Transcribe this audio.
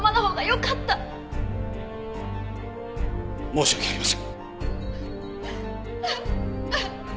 申し訳ありません。